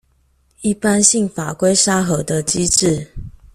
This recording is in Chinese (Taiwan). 一般性法規沙盒的機制